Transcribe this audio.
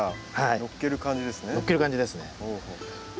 載っける感じですね。